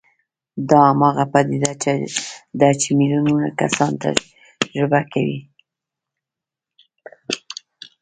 دا هماغه پديده ده چې ميليونونه کسانو تجربه کړې.